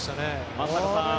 松坂さん